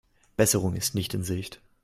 Besserung ist nicht in Sicht.